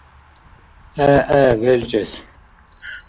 ГӀе, гӀе белчӀес